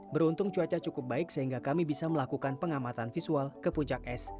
beruntung cuaca cukup baik sehingga kami bisa melakukan pengamatan visual ke puncak es